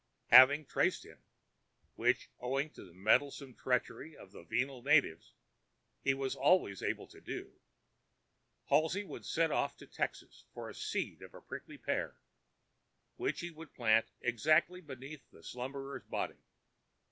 Having traced [pg 178] him—which, owing to the meddlesome treachery of the venal natives, he was always able to do—Halsey would set off to Texas for a seed of the prickly pear, which he would plant exactly beneath the slumberer's body.